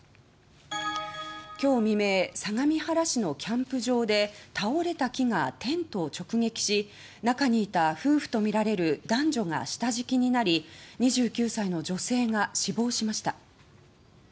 今日未明相模原市のキャンプ場で倒れた木がテントを直撃し中にいた夫婦とみられる男女が下敷きになり２９歳の女性が死亡しました。